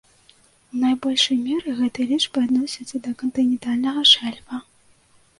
У найбольшай меры гэтыя лічбы адносяцца да кантынентальнага шэльфа.